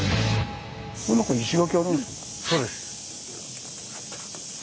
そうです。